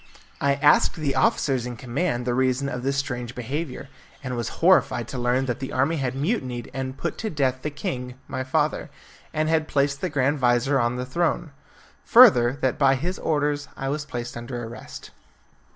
I asked the officers in command the reason of this strange behaviour, and was horrified to learn that the army had mutinied and put to death the king, my father, and had placed the grand vizir on the throne. Further, that by his orders I was placed under arrest.